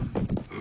あ？